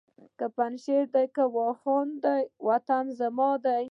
که پنجشېر دی که واخان دی وطن زما دی